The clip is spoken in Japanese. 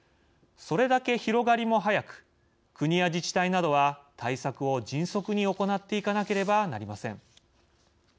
それだけ広がりも速く国や自治体などは対策を迅速に行っていかなければなりません。